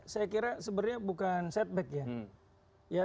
saya kira sebenarnya bukan setback ya